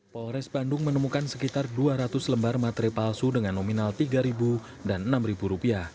polres bandung menemukan sekitar dua ratus lembar materai palsu dengan nominal rp tiga dan rp enam